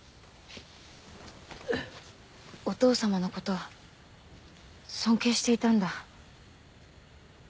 お父さまのこと尊敬していたんだ。